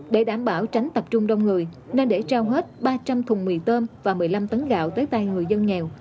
để đảm bảo tránh tập trung đông người nên để trao hết ba trăm linh thùng mì tôm và một mươi năm tấn gạo tới tay người dân nghèo